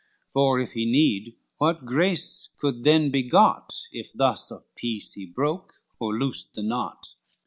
For if he need, what grace could then be got, If thus of peace he broke or loosed the knot?